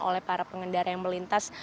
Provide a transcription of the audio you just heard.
oleh para pengendara yang melintas